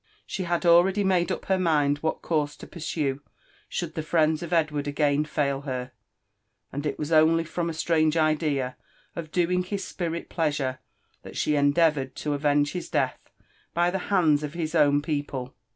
She had already made up her mind \t^hat cotits^ to pursue should the friends of Edward again fail her, aiid it ^as ohly from a strange Idea of doing his spirit pleasure that she endeavoured to avenge his death by the hands of his own people.